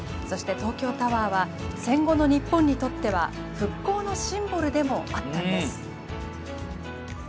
そして東京タワーは戦後の日本にとっては復興のシンボルでもあったんです。